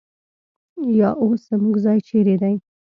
یا اوس زموږ ځای چېرې دی؟